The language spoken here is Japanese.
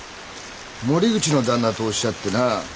森口の旦那とおっしゃってな。